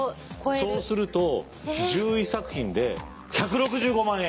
そうすると１１作品で１６５万円！